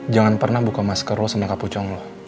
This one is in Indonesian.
jangan pernah buka masker lo sama kapucong lo